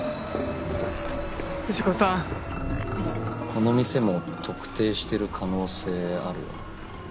この店も特定してる可能性あるよな。